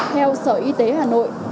theo sở y tế hà nội